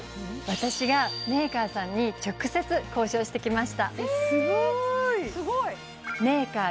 私がメーカーさんに直接交渉してきましたえっ